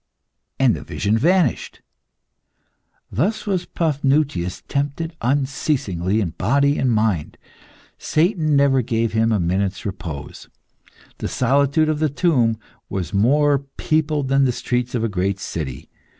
And the vision vanished. Thus was Paphnutius tempted unceasingly in body and mind. Satan never gave him a minute's repose. The solitude of the tomb was more peopled than the streets of a great city.